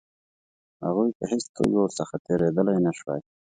هغوی په هېڅ توګه ورڅخه تېرېدلای نه شوای.